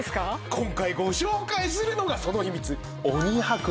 今回ご紹介するのがその秘密！